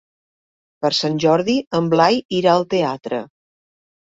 Per Sant Jordi en Blai irà al teatre.